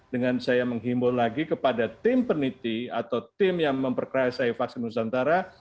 dengan saya menghimbau lagi kepada tim peniti atau tim yang memperkerasai vaksin nusantara